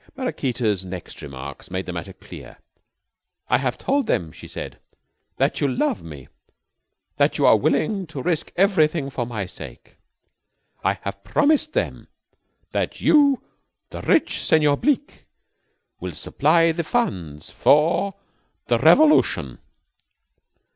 Maraquita's next remarks made the matter clear. "I have told them," she said, "that you love me, that you are willing to risk everything for my sake. I have promised them that you, the rich Senor Bleke, will supply the funds for the revolution.